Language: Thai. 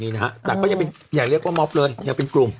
นี่นะฮะแต่ก็ยังเป็นอย่าเรียกว่าม็อบเลยยังเป็นกลุ่ม